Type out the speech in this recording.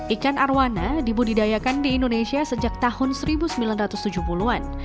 ikan arwana dibudidayakan di indonesia sejak tahun seribu sembilan ratus tujuh puluh an